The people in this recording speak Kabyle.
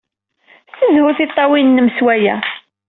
Ssezhu tiṭṭawin-nnem s waya.